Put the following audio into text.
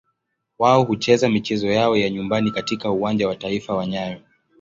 Wao hucheza michezo yao ya nyumbani katika Uwanja wa Taifa wa nyayo.